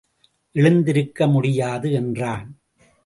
எழுந்திருக்க முடியாது என்றான்.